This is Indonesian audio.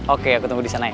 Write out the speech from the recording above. oke aku ketemu di sana ya